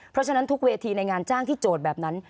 เพราะฉะนั้นทุกเวทีในงานจ้างที่โจทย์แบบนั้น